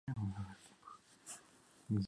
Por todo ello su reinado duró tres años.